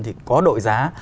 thì có đội giá